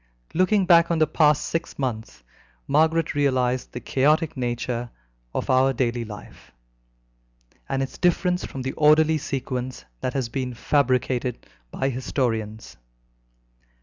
Looking back on the past six months, Margaret realized the chaotic nature of our daily life, and its difference from the orderly sequence that has been fabricated by historians.